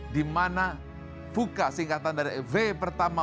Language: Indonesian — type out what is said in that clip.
dimana fuka singkatan dari v pertama